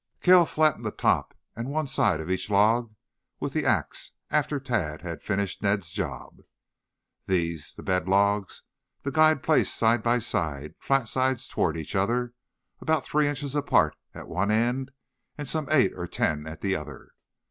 Cale flattened the top and one side of each log with the axe after Tad had finished Ned's job. These, the bed logs, the guide placed side by side, flat sides toward each other, about three inches apart at one end and some eight or ten at the other.